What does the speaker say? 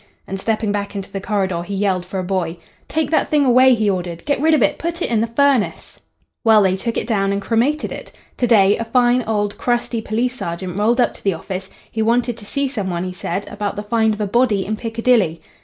And, stepping back into the corridor, he yelled for a boy. 'Take that thing away,' he ordered. 'Get rid of it. Put it in the furnace.' "Well, they took it down and cremated it. To day, a fine, old, crusty police sergeant rolled up to the office. He wanted to see some one, he said, about the find of a body in Piccadilly.